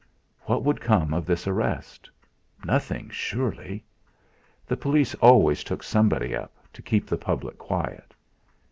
What would come of this arrest? Nothing, surely! The police always took somebody up, to keep the public quiet.